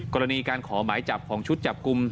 กรณีการขอหมายจับของชุดจับกลุ่ม